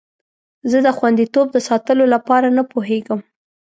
زه د خوندیتوب د ساتلو لپاره نه پوهیږم.